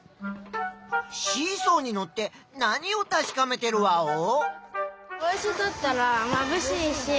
シーソーにのって何をたしかめてるワオ？